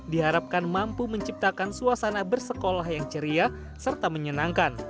diharapkan mampu menciptakan suasana bersekolah yang ceria serta menyenangkan